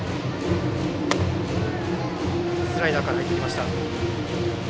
スライダーから入ってきました。